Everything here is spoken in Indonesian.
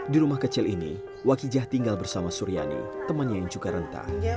di rumah kecil ini wakijah tinggal bersama suryani temannya yang juga rentah